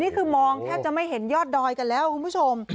นี่คือมองแทบจะไม่เห็นยอดดอยกันแล้วคุณผู้ชม